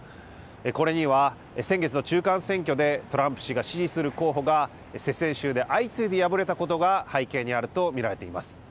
これには先月の中間選挙でトランプ氏が支持する候補が接戦州で相次いで敗れたことが背景にあると見られています。